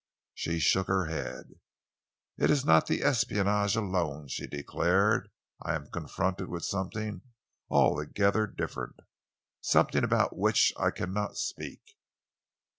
She shook her head. "It is not the espionage alone," she declared. "I am confronted with something altogether different, something about which I cannot speak."